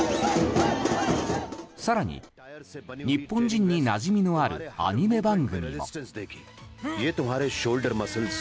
更に、日本人になじみのあるアニメ番組も。